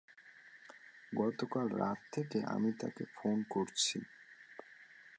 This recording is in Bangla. গতকাল রাত থেকে আমি তাকে ফোন করছি।